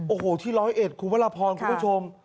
โอ้โหที่๑๐๑คุณพระรพรคุณผู้ชม